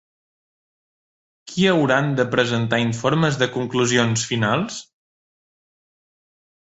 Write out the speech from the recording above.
Qui hauran de presentar informes de conclusions finals?